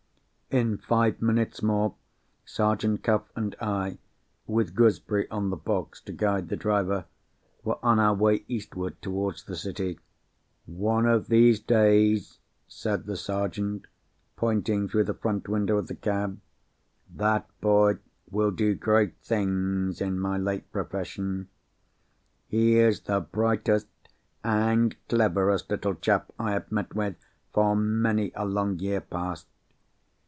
In five minutes more, Sergeant Cuff and I (with Gooseberry on the box to guide the driver) were on our way eastward, towards the City. "One of these days," said the Sergeant, pointing through the front window of the cab, "that boy will do great things in my late profession. He is the brightest and cleverest little chap I have met with, for many a long year past.